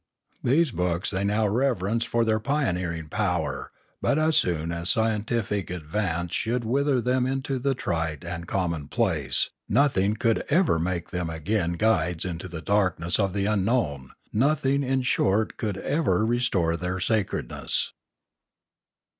These books they now re verenced for their pioneering power; but as soon as sci entific advance should wither them into the trite and commonplace, nothing could ever make them again guides into the darkness of the unknown, nothing in short could ever restore their sacredness.